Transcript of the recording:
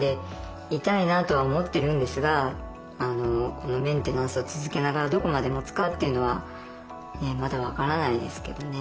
このメンテナンスを続けながらどこまでもつかっていうのはまだ分からないですけどね。